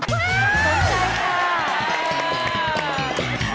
ใช่ค่ะ